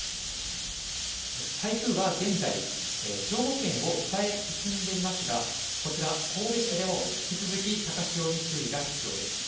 台風は現在、兵庫県を北へ進んでいますが、こちら神戸市でも引き続き、高潮に注意が必要です。